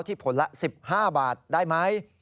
ผลละ๑๕บาทได้ไหม